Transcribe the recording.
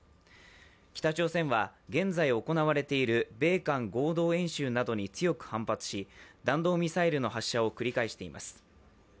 北朝鮮は現在行われている米韓合同演習などに強く反発し、弾道ミサイルの発射を繰り返しています。